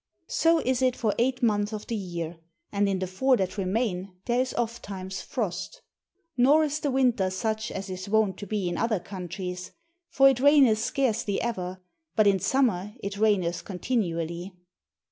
So is it for eight months of the year; and in the four that remain there is of ttimes frost. Nor is the winter such as is wont to be in other countries; for it raineth scarcely ever, but in summer it raineth continually.